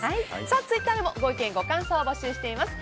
ツイッターでもご意見、ご感想を募集しております。